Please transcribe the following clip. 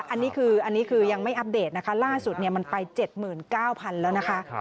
อันนี้คือยังไม่อัปเดตนะคะล่าสุดมันไป๗๙๐๐๐แล้วนะคะ